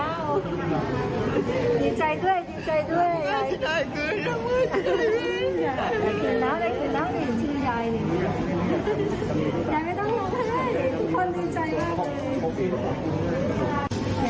ยายไม่ต้องห่วงใช่ไหมทุกคนดีใจมากเลย